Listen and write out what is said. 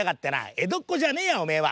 えどっこじゃねえやおめえは。